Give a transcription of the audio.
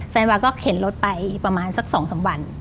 แฟนวาก็เข็นรถไปประมาณสักสองสามวัน